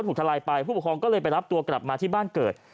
ภูมิปกครองก็เลยไปรับตัวกลับมาที่บ้านเกิด